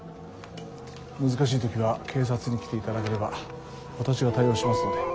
難しい時は警察に来ていただければ私が対応しますので。